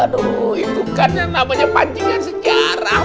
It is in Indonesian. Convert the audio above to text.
aduh itu kan namanya pancing yang sejarah